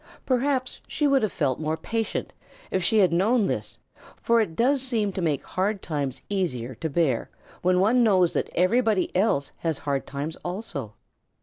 Perhaps she would have felt more patient if she had known this, for it does seem to make hard times easier to bear when one knows that everybody else has hard times also.